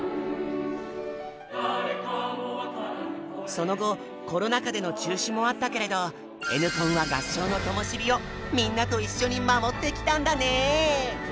その後コロナ禍での中止もあったけれどＮコンは合唱のともし火をみんなと一緒に守ってきたんだね。